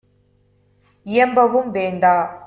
இயம்பவும் வேண்டா!